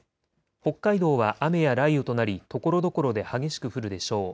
北海道は雨や雷雨となりところどころで激しく降るでしょう。